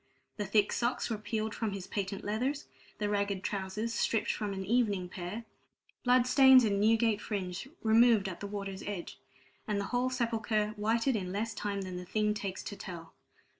The thick socks were peeled from his patent leathers, the ragged trousers stripped from an evening pair, bloodstains and Newgate fringe removed at the water's edge, and the whole sepulchre whited in less time than the thing takes to tell.